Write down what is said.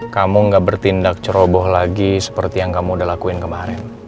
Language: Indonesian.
kamu gak bertindak ceroboh lagi seperti yang kamu udah lakuin kemarin